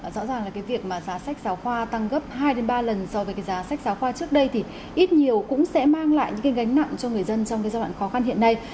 rõ ràng là cái việc mà giá sách giáo khoa tăng gấp hai ba lần so với cái giá sách giáo khoa trước đây thì ít nhiều cũng sẽ mang lại những cái gánh nặng cho người dân trong cái giai đoạn khó khăn hiện nay